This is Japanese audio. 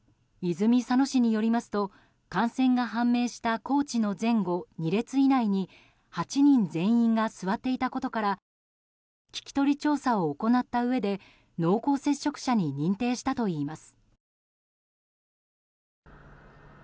泉佐野市によりますと感染が判明したコーチの前後２列以内に８人全員が座っていたことから聞き取り調査を行ったうえで濃厚接触者に認定したといいます。